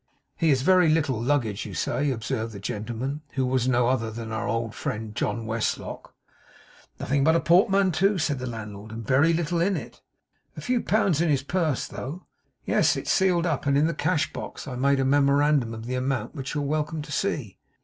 'He has very little luggage, you say?' observed the gentleman, who was no other than our old friend, John Westlock. 'Nothing but a portmanteau,' said the landlord; 'and very little in it.' 'A few pounds in his purse, though?' 'Yes. It's sealed up, and in the cash box. I made a memorandum of the amount, which you're welcome to see.